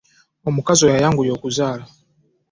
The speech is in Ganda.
Omukazi Oyo ayanguye okuzaala